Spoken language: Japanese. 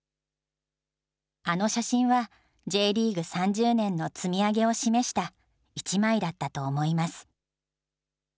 あの写真は、Ｊリーグ３０年の積み上げを示した一枚だったと思います。